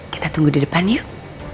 kita tunggu di depan yuk